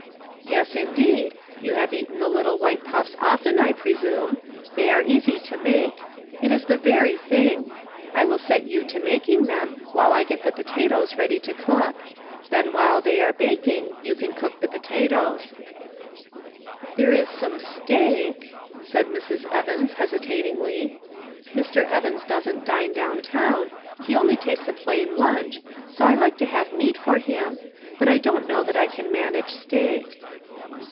" Yes, indeed ; you have eaten the little white puffs often, I presume ; they are easy to make. It is the very thing. I'll set you to making them while I get the potatoes ready to cook ; then while they are baking you can cook the potatoes." Serving Christ in the Kitchen. 817 "There is some steak," said Mrs. Evans, hesitatingly ;" Mr. Evans doesn't dine down town, he only takes a plain lunch, so I like to have meat for him, but I don't know that I can manage steak."